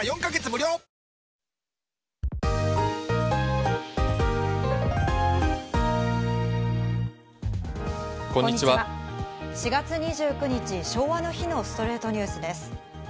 ４月２９日、昭和の日の『ストレイトニュース』です。